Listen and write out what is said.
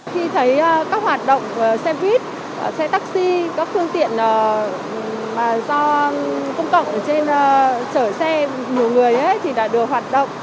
khi thấy các hoạt động xe buýt xe taxi các phương tiện do công cộng ở trên chở xe nhiều người thì đã được hoạt động